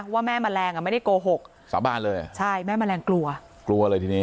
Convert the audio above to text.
ว่าแม่แมลงอ่ะไม่ได้โกหกสาบานเลยใช่แม่แมลงกลัวกลัวเลยทีนี้